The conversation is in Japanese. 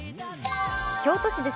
京都市です。